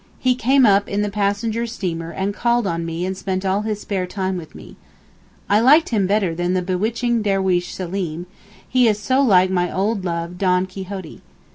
He came up in the passenger steamer and called on me and spent all his spare time with me. I liked him better than the bewitching derweesh Seleem; he is so like my old love Don Quixote.